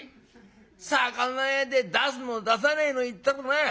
魚屋で出すの出さねえの言ったらな